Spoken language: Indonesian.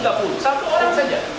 nggak usah tiga puluh satu orang saja